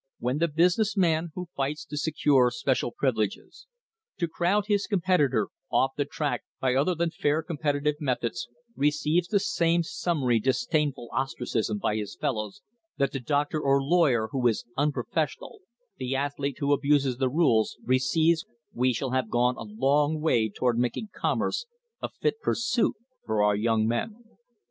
When the business man who fights to secure special privileges, to crowd his competitor off the track by other than fair competi tive methods, receives the same summary disdainful ostracism by his fellows that the doctor or lawyer who is "unprofes sional," the athlete who abuses the rules, receives, we shall have gone a long way toward making commerce a fit pursuit for our young men.